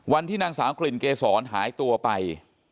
วันที่นางสาวกลิ่นเกษรหายตัวไป